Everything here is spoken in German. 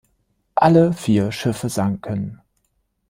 Alle vier Schiffe sanken.